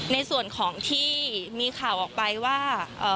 ในส่วนของที่มีข่าวออกไปว่า